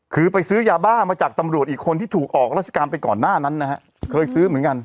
คือไปซื้อยาบ้ามาจากตำรวจอีกคนที่ถูกออกราชการไปก่อนหน้านั้นนะฮะเคยซื้อเหมือนกัน